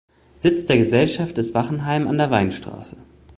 Sitz der Gesellschaft ist Wachenheim an der Weinstraße.